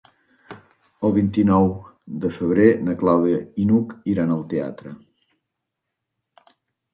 El vint-i-nou de febrer na Clàudia i n'Hug iran al teatre.